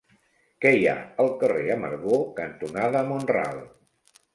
Què hi ha al carrer Amargor cantonada Mont-ral?